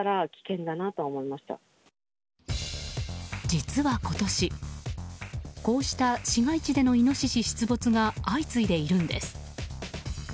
実は今年、こうした市街地でのイノシシ出没が相次いでいるんです。